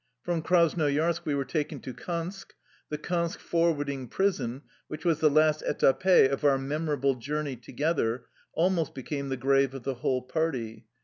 From Krasnoyarsk we were taken to Kansk. The Kansk forwarding prison, which was the last etape of our memorable journey together, al most became the grave of the whole party.